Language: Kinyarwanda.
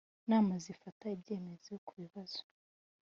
nama zifata ibyemezo ku bibazo